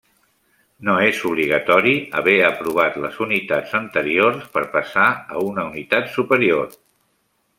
No és obligatori haver aprovat les unitats anteriors per passar una unitat superior.